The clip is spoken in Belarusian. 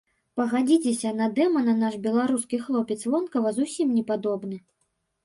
Пагадзіцеся, на дэмана наш беларускі хлопец вонкава зусім не падобны.